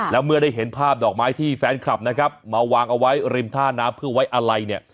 แล้วเมื่อได้เห็นภาพดอกไม้ที่แฟนคลับนะครับมาวางเอาไว้ริมท่าน้ำเพื่อไว้อะไรเนี่ย